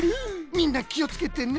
みんなきをつけてね。